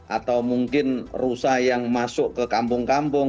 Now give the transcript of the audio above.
atau mungkin rusa yang masuk ke kampung kampung